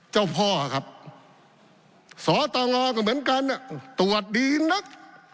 เจ้าพ่อครับสตงก็เหมือนกันตรวจดีนัก